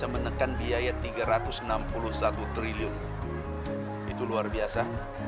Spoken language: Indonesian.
menekan biaya rp tiga ratus enam puluh satu triliun itu luar biasa